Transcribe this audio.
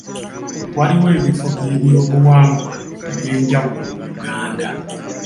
Waliwo ebifo by'ebyobuwangwa ebyenjawulo mu Uganda.